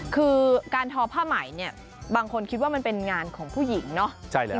คือการทอผ้าใหม่เนี่ยบางคนคิดว่ามันเป็นงานของผู้หญิงเนาะ